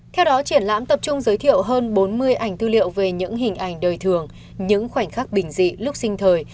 theo đó triển lãm tập trung giới thiệu hơn bốn mươi ảnh tư liệu về những hình ảnh đời thường những khoảnh khắc bình dị lúc sinh thời